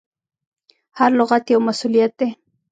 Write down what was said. هر لغت یو مسؤلیت دی.